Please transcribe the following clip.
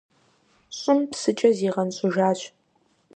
ЩӀым псыкӀэ зигъэнщӀыжащ.